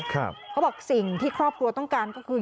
เขาบอกสิ่งที่ครอบครัวต้องการก็คือ